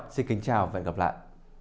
xin chào và hẹn gặp lại